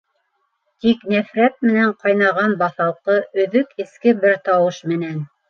Тик нәфрәт менән ҡайнаған баҫалҡы, өҙөк эске бер тауыш менән: